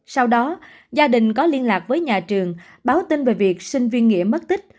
sau đó gia đình có liên lạc với nhà trường báo tin về việc sinh viên nghĩa mất tích